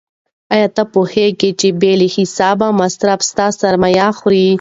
آیا ته پوهېږې چې بې له حسابه مصرف ستا سرمایه خوري؟